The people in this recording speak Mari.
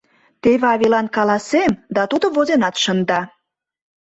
Теве авийлан каласем да тудо возенат шында